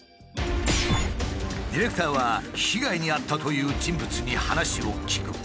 ディレクターは被害に遭ったという人物に話を聞く。